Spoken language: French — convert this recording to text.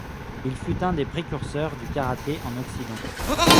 Il fut un des précurseurs du karaté en occident.